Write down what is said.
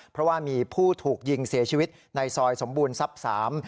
เพราะว่ามีผู้ถูกยิงเสียชีวิตในซอยสมบูรณทรัพย์สาม